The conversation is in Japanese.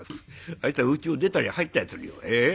あいつはうちを出たり入ったりするよ。